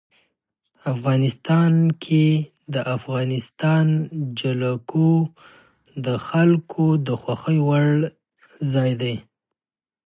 افغانستان کې د افغانستان جلکو د خلکو د خوښې وړ ځای دی.